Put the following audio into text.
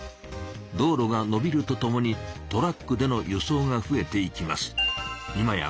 道路がのびるとともにトラックでの輸送がふえていきます。